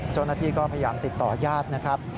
เจ้าหน้าที่ก็พยายามติดต่อญาตินะครับ